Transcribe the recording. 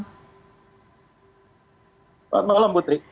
selamat malam putri